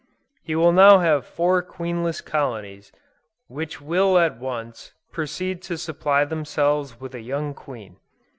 He will now have four queenless colonies, which will at once, proceed to supply themselves with a young queen.